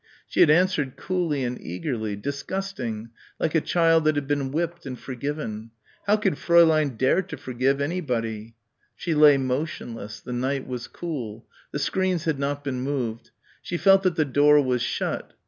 She had answered coolly and eagerly ... disgusting ... like a child that had been whipped and forgiven.... How could Fräulein dare to forgive anybody? She lay motionless. The night was cool. The screens had not been moved. She felt that the door was shut.